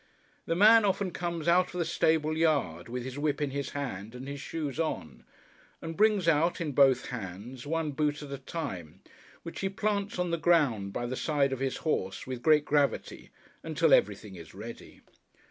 The man often comes out of the stable yard, with his whip in his hand and his shoes on, and brings out, in both hands, one boot at a time, which he plants on the ground by the side of his horse, with great gravity, until everything is ready.